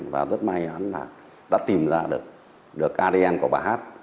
và rất may hắn đã tìm ra được adn của bà hát